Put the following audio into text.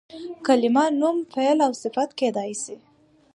کلیمه نوم، فعل او صفت کېدای سي.